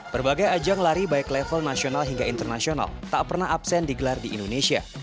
berbagai ajang lari baik level nasional hingga internasional tak pernah absen digelar di indonesia